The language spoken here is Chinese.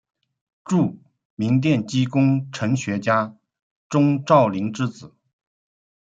著名电机工程学家钟兆琳之子。